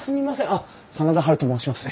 あっ真田ハルと申します。